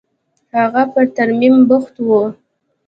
هغه په ترميم بوخت و.